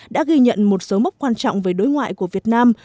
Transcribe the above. đã ghi nhận một số mốc quan trọng về đối ngoại của việt nam